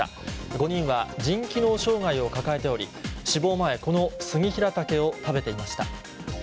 ５人は腎機能障害を抱えており死亡前このスギヒラタケを食べていました。